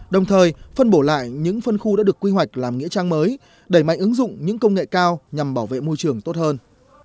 đồng thời phân bổ lại những phân khu đã được quy hoạch làm nghĩa trang mới đẩy mạnh ứng dụng những công nghệ cao nhằm bảo vệ môi trường tốt hơn